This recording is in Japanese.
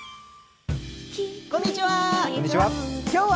こんにちは。